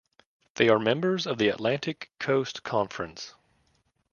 They are members of the Atlantic Coast Conference.